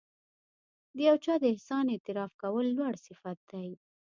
د یو چا د احسان اعتراف کول لوړ صفت دی.